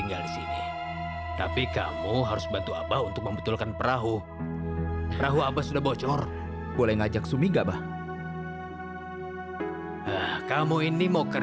gusti allah memberkahi burung tubuhmu yang tetap muda dan cantik